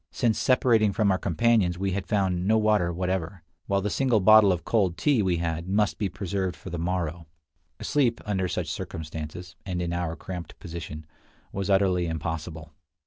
Since separating from our companions we had found no water whatever, while the single bottle of cold tea we had must be preserved for the morrow. Sleep, under such circumstances, and in our cramped position, was utterly impossible.